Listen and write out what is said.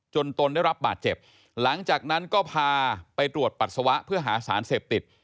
ตนได้รับบาดเจ็บหลังจากนั้นก็พาไปตรวจปัสสาวะเพื่อหาสารเสพติด